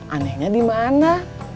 anehnya di mana